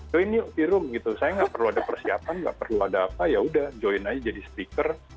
join yuk irung gitu saya nggak perlu ada persiapan nggak perlu ada apa yaudah join aja jadi speaker